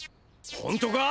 本当か？